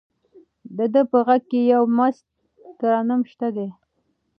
د ده په غږ کې یو مست ترنم شته دی.